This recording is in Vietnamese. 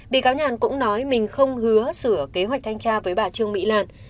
bị cáo nhàn cũng nói mình không hứa sửa kế hoạch thanh tra với bà trương mỹ lan